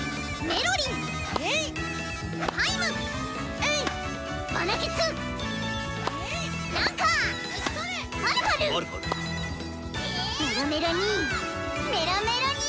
メロメロに！